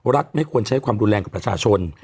ไม่ควรใช้ความรุนแรงกับประชาชน